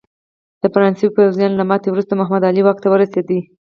د فرانسوي پوځیانو له ماتې وروسته محمد علي واک ته ورسېد.